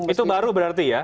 itu baru berarti ya